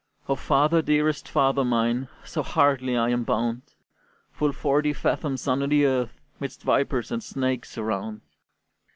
"O father, dearest father mine, So hardly I am bound, Full forty fathoms under the earth, 'Midst vipers and snakes around!"